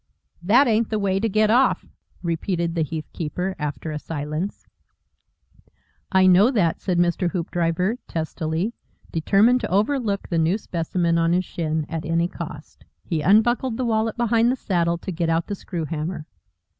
"THAT ain't the way to get off," repeated the heathkeeper, after a silence. "I know that," said Mr. Hoopdriver, testily, determined to overlook the new specimen on his shin at any cost. He unbuckled the wallet behind the saddle, to get out a screw hammer.